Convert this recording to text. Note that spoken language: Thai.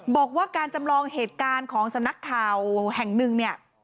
บอกว่าการจำลองเหตุการณ์ของสำนักข่าวแห่งหนึ่งเนี่ย